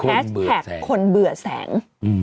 แอชแพ็คคนเบื่อแสง